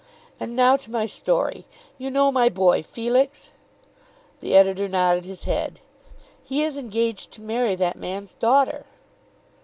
"And now to my story. You know my boy, Felix?" The editor nodded his head. "He is engaged to marry that man's daughter."